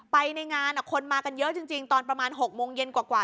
ไปในงานคนมากันเยอะจริงตอน๖โมงเย็นกว่า